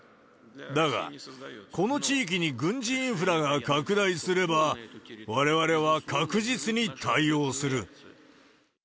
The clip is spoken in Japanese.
だが、この地域に軍事インフラが拡大すれば、われわれは確実に対応する。